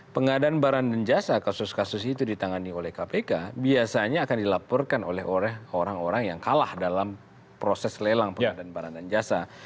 pengadaan barang dan jasa kasus kasus itu ditangani oleh kpk biasanya akan dilaporkan oleh orang orang yang kalah dalam proses lelang pengadaan barang dan jasa